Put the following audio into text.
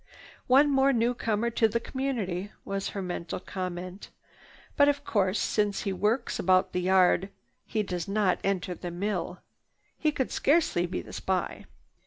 "One more newcomer to the community," was her mental comment. "But of course, since he works about the yard he does not enter the mill. He could scarcely be the spy.